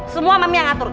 semua mami yang ngatur